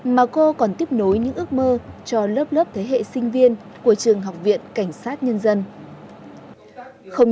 mà cô còn tiếp nối những ước mơ cho lớp lớp thế hệ sinh viên của trường học viện cảnh sát nhân dân